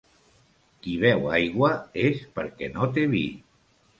Qui beu aigua és perquè no té vi.